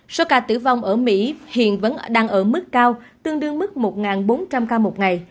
số ca tử vong ở mỹ hiện vẫn đang ở mức cao tương đương mức một bốn trăm linh ca một ngày